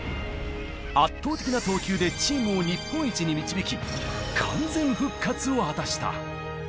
圧倒的な投球でチームを日本一に導き、完全復活を果たした。